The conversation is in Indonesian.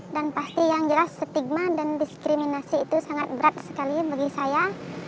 dan pasti yang jelas stigma dan diskriminasi itu sangat berat sekali bagi saya